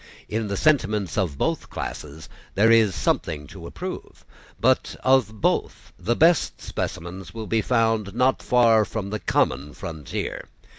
In the sentiments of both classes there is something to approve. But of both the best specimens will be found not far from the common frontier.